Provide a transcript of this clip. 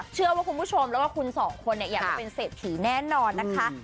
เชื่อว่าคุณผู้ชมแล้วก็คุณสองคนอยากจะเป็นเศรษฐีแน่นอนนะคะ